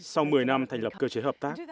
sau một mươi năm thành lập cơ chế hợp tác